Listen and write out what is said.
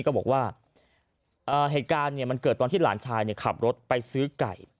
ก็บอกว่าเหตุการณ์มันเกิดตอนที่หลานชายขับรถไปซื้อไก่